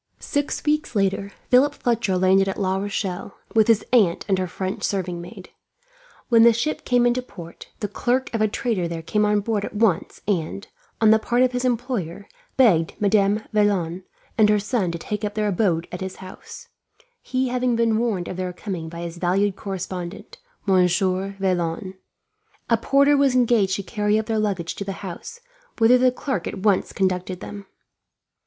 Six weeks later, Philip Fletcher landed at La Rochelle, with his aunt and her French serving maid. When the ship came into port, the clerk of a trader there came on board at once and, on the part of his employer, begged Madame Vaillant and her son to take up their abode at his house; he having been warned of their coming by his valued correspondent, Monsieur Vaillant. A porter was engaged to carry up their luggage to the house, whither the clerk at once conducted them.